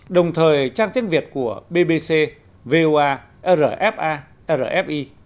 đồng thời trang tiếng việt của bbc voa rfa rfi